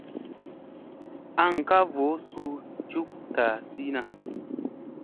Aŋ ka voo su cuk ta si na.